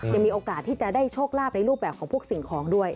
ยังมีโอกาสที่จะได้โชคลาภในรูปแบบของพวกสิ่งของด้วย